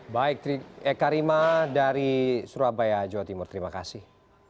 baik eka rima dari surabaya jawa timur terima kasih